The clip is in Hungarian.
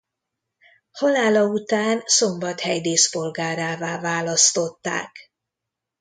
Halála után Szombathely díszpolgárává választották.